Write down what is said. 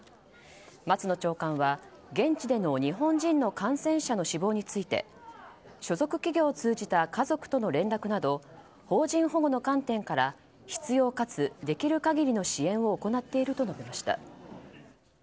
松野長官は現地での日本人の感染者の死亡について所属企業を通じた家族との連絡など邦人保護の観点から必要かつできる限りの支援を行っていると述べました。